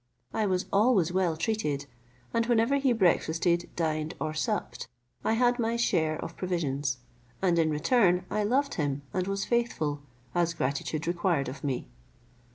I was always well treated; and whenever he breakfasted, dined, or supped, I had my share of provisions; and, in return, I loved him, and was faithful, as gratitude required of me.